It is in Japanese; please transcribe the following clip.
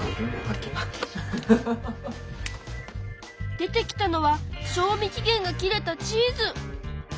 出てきたのは賞味期限が切れたチーズ！